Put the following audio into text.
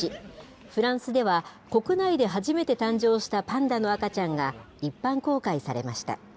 フランスでは国内で初めて誕生したパンダの赤ちゃんが一般公開されました。